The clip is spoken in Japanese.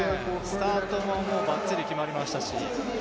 スタートはバッチリ決まりましたし。